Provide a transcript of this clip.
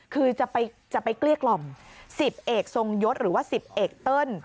คือจะไปเกลี้ยกล่อม๑๐เอกทรงยศหรือว่า๑๐เอกเติ้ล